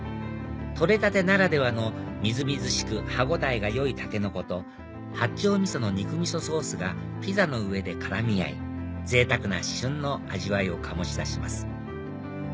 取れたてならではのみずみずしく歯応えがよいタケノコと八丁味噌の肉みそソースがピザの上で絡み合いぜいたくな旬の味わいを醸し出します